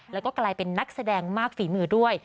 แล้วก็กลายเป็นนักแสดงมากฝีมือด้วย